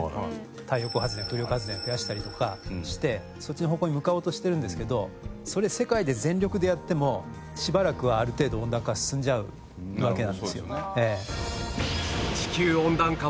太陽光発電風力発電増やしたりとかしてそっちの方向に向かおうとしてるんですけどそれ世界で全力でやってもしばらくはある程度温暖化は進んじゃうわけなんですよ。